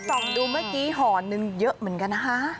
ส่องดูเมื่อกี้ห่อนึงเยอะเหมือนกันนะคะ